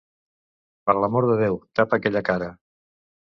Per l'amor de Déu, tapa aquella cara!